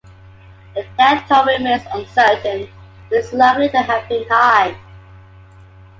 The death toll remains uncertain, but is likely to have been high.